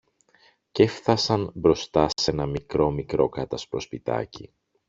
κι έφθασαν μπροστά σ' ένα μικρό-μικρό κάτασπρο σπιτάκι.